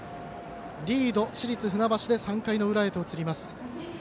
リード、市立船橋で３回の裏へと移ります。